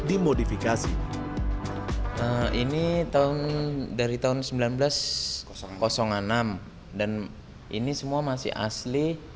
dimodifikasi ini tahun dari tahun seribu sembilan ratus enam dan ini semua masih asli